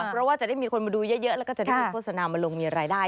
เพราะว่าจะได้มีคนมาดูเยอะแล้วก็จะได้มีโฆษณามาลงมีรายได้